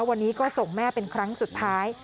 วันนี้ก็ส่งแม่เป็นครั้งสุดท้าย